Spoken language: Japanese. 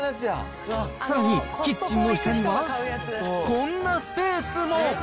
さらにキッチンの下には、こんなスペースも。